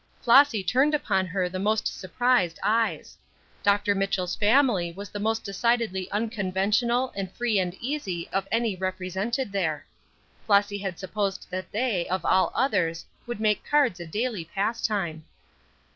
Flossy turned upon her the most surprised eyes. Dr. Mitchell's family was the most decidedly unconventional and free and easy of any represented there. Flossy had supposed that they, of all others, would make cards a daily pastime.